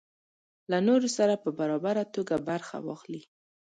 له نورو سره په برابره توګه برخه واخلي.